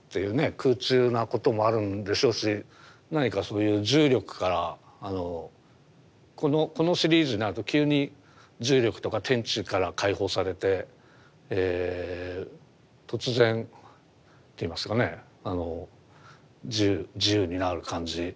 空中なこともあるんでしょうし何かそういう重力からこのシリーズになると急に重力とか天地から解放されて突然といいますかねあの自由になる感じ。